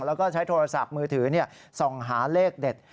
แล้วก็ใช้โทรศัพท์มือถือส่องหาเลขเด็ด